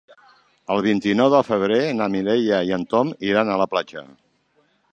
El vint-i-nou de febrer na Mireia i en Tom iran a la platja.